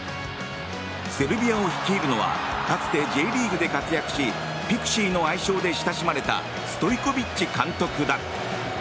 セルビアを率いるのはかつてＪリーグで活躍しピクシーの愛称で親しまれたストイコビッチ監督だ。